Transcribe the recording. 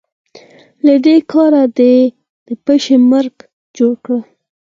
له دې کاره دې د پيشي مرګ جوړ کړ.